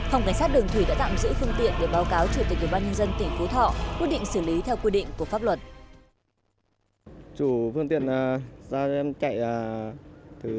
phòng cảnh sát đường thủy đã tạm giữ phương tiện để báo cáo chủ tịch ubnd tỉnh phú thọ quyết định xử lý theo quy định của pháp luật